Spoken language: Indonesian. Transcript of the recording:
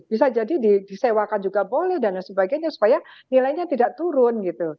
bisa jadi disewakan juga boleh dan sebagainya supaya nilainya tidak turun gitu